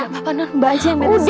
gak apa apa nun mbak aja yang beresin